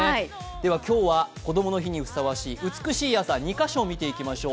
今日はこどもの日にふさわしい美しい朝２か所見ていきましよう。